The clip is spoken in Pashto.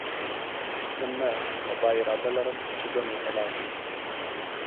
نن نه، خو سبا اراده لرم چې بنو ته لاړ شم.